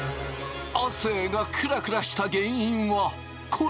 亜生がクラクラした原因はこれ！